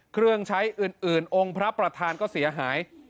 เครื่องใช้อื่นองค์พระประธานก็เสียหาย